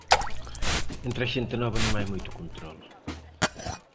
Entre a xente nova non hai moito control.